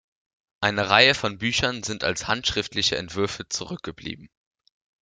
Eine Reihe von Büchern sind als handschriftliche Entwürfe zurückgeblieben.